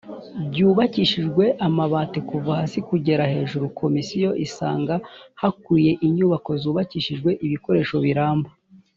byubakishije amabati kuva hasi kugera hejuru komisiyo isanga hakwiye inyubako zubakishijwe ibikoresho biramba